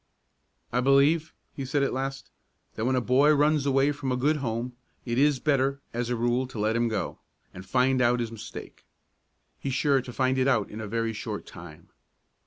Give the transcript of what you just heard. "I believe," he said at last, "that when a boy runs away from a good home, it is better, as a rule, to let him go, and find out his mistake; he's sure to find it out in a very short time.